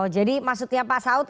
jadi maksudnya pak saud